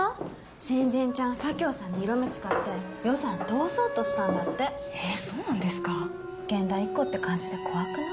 新人ちゃん佐京さんに色目使って予算通そうとしたんだってえっ現代っ子って感じで怖くない？